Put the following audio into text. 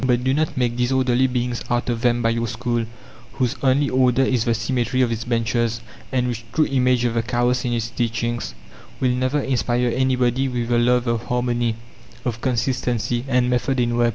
But do not make disorderly beings out of them by your school, whose only order is the symmetry of its benches, and which true image of the chaos in its teachings will never inspire anybody with the love of harmony, of consistency, and method in work.